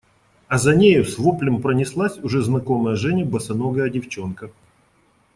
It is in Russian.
А за нею с воплем пронеслась уже знакомая Жене босоногая девчонка.